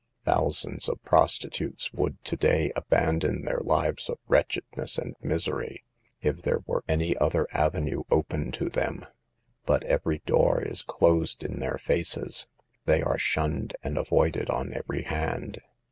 Thousands of prostitutes would to day abandon their lives of wretchedness and misery if there were any other avenue open «o tnem. But every door is closed in their faces. They are shunned and avoided on every hand.